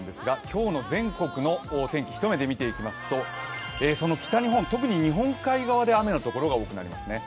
今日の全国の天気、一目でみていきますとその北日本、特に日本海側で雨のところが多くなりますね。